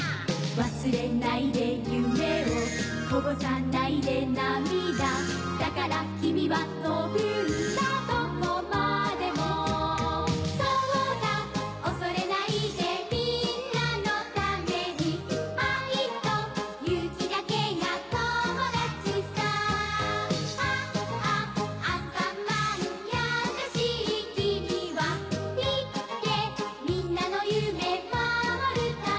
わすれないでゆめをこぼさないでなみだだからきみはとぶんだどこまでもそうだおそれないでみんなのためにあいとゆうきだけがともだちさああアンパンマンやさしいきみはいけ！